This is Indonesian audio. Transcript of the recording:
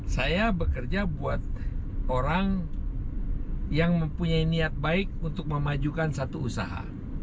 saya bekerja buat orang yang mempunyai niat baik untuk memajukan satu usaha